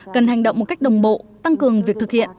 cần hành động một cách đồng bộ tăng cường việc thực hiện